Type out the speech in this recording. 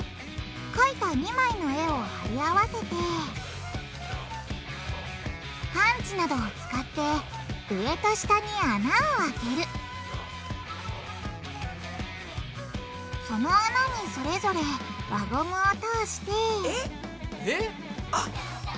かいた２枚の絵を貼り合わせてパンチなどを使って上と下に穴を開けるその穴にそれぞれ輪ゴムを通してえっ？えっ？あっグルグルすんの？